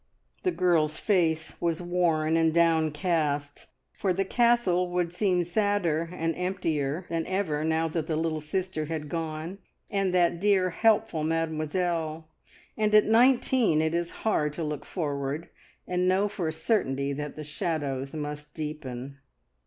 The girl's face was worn and downcast, for the Castle would seem sadder and emptier than ever, now that the little sister had gone and that dear, helpful Mademoiselle; and at nineteen it is hard to look forward and know for a certainty that the shadows must deepen.